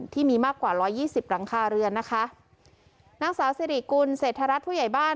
ที่มีมากกว่าร้อยยี่สิบหลังคาเรือนนะคะนางสาวสิริกุลเศรษฐรัฐผู้ใหญ่บ้าน